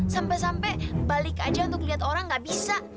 sampai sampai balik aja untuk liat orang nggak bisa